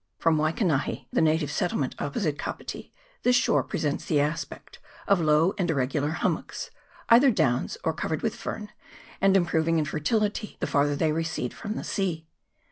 From Waikanahi, the native settlement opposite Kapiti, this shore presents the aspect of low and irregular hummocks, either downs or covered with fern, and improving in fertility the farther they recede from the sea.